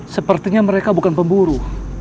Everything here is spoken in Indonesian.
sepertinya mereka bukan pemburu